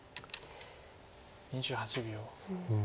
２８秒。